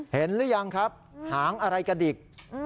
หรือยังครับหางอะไรกระดิก